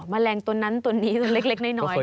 แมลงตัวนั้นตัวนี้ตัวเล็กน้อย